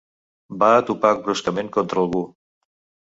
Va a topar bruscament contra algú.